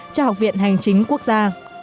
cho học viện hành chính quốc gia